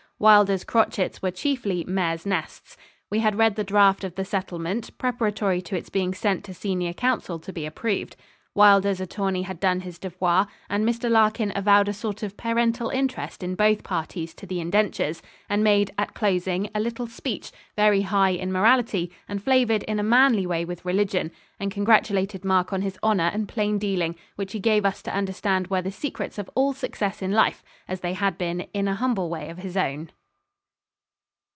Wylder's crotchets were chiefly 'mare's nests.' We had read the draft of the settlement, preparatory to its being sent to senior counsel to be approved. Wylder's attorney had done his devoir, and Mr. Larkin avowed a sort of parental interest in both parties to the indentures, and made, at closing, a little speech, very high in morality, and flavoured in a manly way with religion, and congratulated Mark on his honour and plain dealing, which he gave us to understand were the secrets of all success in life, as they had been, in an humble way of his own.